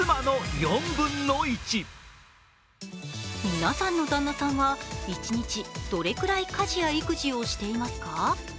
皆さんの旦那さんは一日どれくらい家事や育児をしていますか？